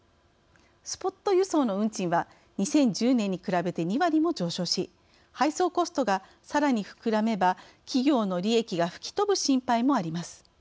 スポット輸送の運賃は２０１０年に比べて２割も上昇し配送コストがさらに膨らめば企業の利益が吹き飛ぶ心配もあります。